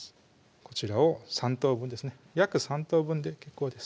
こちらを３等分ですね約３等分で結構です